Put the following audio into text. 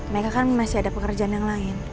mereka kan masih ada pekerjaan yang lain